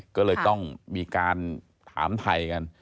ก็เลยต้องมีการถามไทยกัน